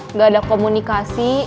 nggak ada komunikasi